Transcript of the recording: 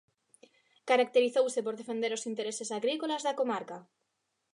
Caracterizouse por defender os intereses agrícolas da comarca.